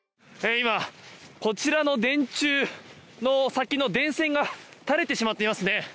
今、こちらの電柱の先の電線が垂れてしまっていますね。